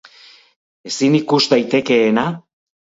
Ezin ikus daitekeena